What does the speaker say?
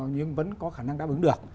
nhưng vẫn có khả năng đáp ứng được